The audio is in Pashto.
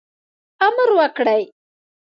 امر وکړي.